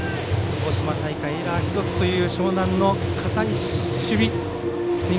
鹿児島大会エラー１つという樟南の堅い守備。